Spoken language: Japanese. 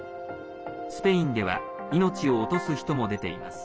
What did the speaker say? スペインでは命を落とす人も出ています。